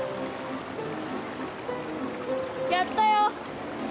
やったよ。